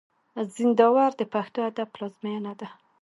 زينداور د پښتو ادب پلازمېنه ده.